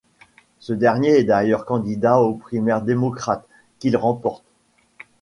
Ce dernier est d'ailleurs candidat aux primaires démocrates, qu'il remporte.